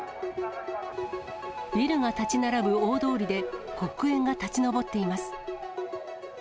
ビルが建ち並ぶ大通りで、黒煙が立ち上っています。